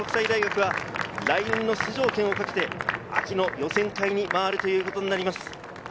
来年の出場権をかけて秋の予選会に回ることになります。